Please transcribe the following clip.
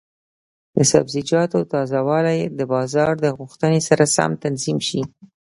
د سبزیجاتو تازه والی د بازار د غوښتنې سره سم تنظیم شي.